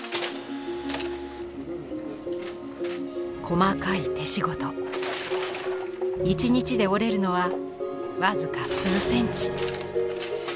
細かい手仕事一日で織れるのは僅か数センチ。